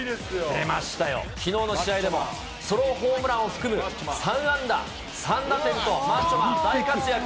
出ましたよ、きのうの試合でも、ソロホームランを含む、３安打３打点と大活躍。